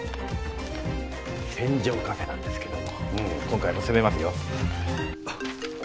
船上カフェなんですけど今回も攻めますよ。